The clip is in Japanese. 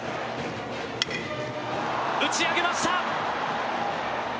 打ち上げました。